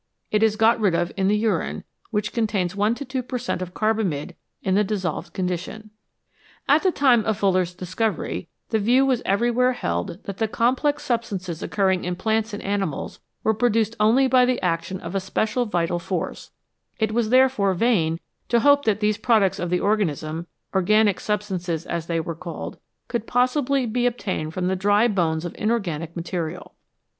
It is got rid of in the urine, which contains 1 to 2 per cent, of carbamide in the dissolved condition. At the time of Wohler's discovery the view was every where held that the complex substances occurring in plants and animals were produced only by the action of a special vital force ; it was therefore vain to hope that these products of the organism organic substances, as they were called could possibly be obtained from the dry bones of inorganic material.